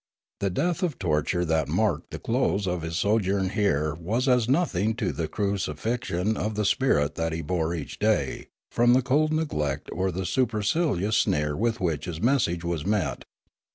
The death of torture that marked the close of His so journ here was as nothing to the crucifixion of the spirit that He bore each day from the cold neglect or the supercilious sneer with which His message was met.